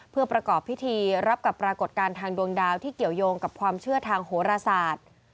เพื่อประกอบพิธีรับกับปรากฏการณ์ทางดวงดาวที่เกี่ยวยงกับความเชื่อทางโหรศาสตร์